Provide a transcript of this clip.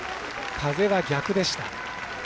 風は逆でした。